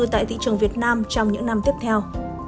tại thị trường việt nam trong những năm tiếp theo